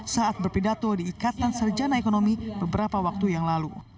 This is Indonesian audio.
saat berpidato di ikatan sarjana ekonomi beberapa waktu yang lalu